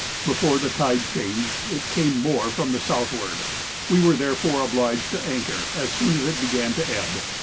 Before the tide changed it came more from the southward; we were therefore obliged to anchor as soon as it began to ebb.